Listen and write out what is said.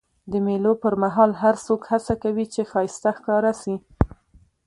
د مېلو پر مهال هر څوک هڅه کوي، چي ښایسته ښکاره سي.